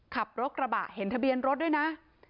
ขับรถกระบะเห็นทะเบียนรถด้วยนะ